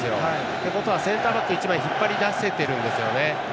ということはセンターバック１枚引っ張り出せてるんですよね。